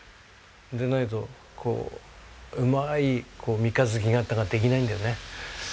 でないとこううまい三日月形ができないんだよね。